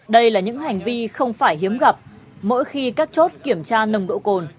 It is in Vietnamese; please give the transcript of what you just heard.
đây là những hành vi không phải hiếm gặp mỗi khi các chốt kiểm tra nồng độ cồn